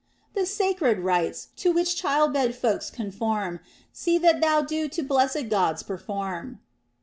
207 The sacred rites t' which child bed folks conform, See that thou do to blessed Gods perform.